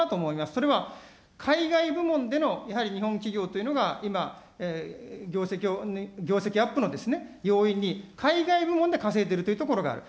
それは海外部門でのやはり日本企業というのが、今、業績アップの要因に海外部門で稼いでいるというところがある。